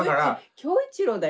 恭一郎だよ。